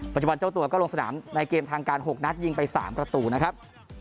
เจ้าตัวก็ลงสนามในเกมทางการ๖นัดยิงไป๓ประตูนะครับ